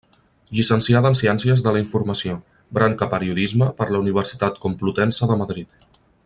Llicenciada en ciències de la informació, branca Periodisme, per la Universitat Complutense de Madrid.